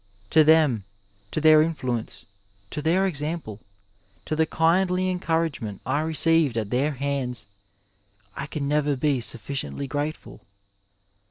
To them — ^to their influence, to their ex ample, to the kindly encouragement I received at their hands — I can never be sufficiently grateful.